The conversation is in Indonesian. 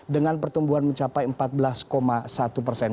dengan pertumbuhan mencapai empat belas satu persen